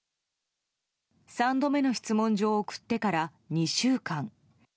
３度目の質問状を送ってから２週間。